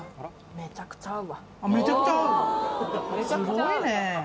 めちゃくちゃ合う？